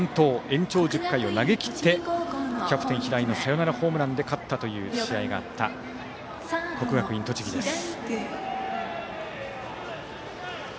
延長１０回を投げきってキャプテン平井のサヨナラホームランで勝った試合があった国学院栃木です。